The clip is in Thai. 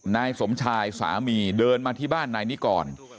นายสมชายสามีเดินมาที่บ้านนายนิกร